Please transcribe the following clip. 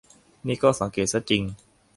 นี่ก็สังเกตซะจริง